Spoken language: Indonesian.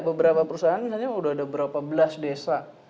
beberapa perusahaan misalnya sudah ada berapa belas desa